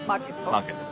マーケット。